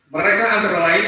mereka antara lain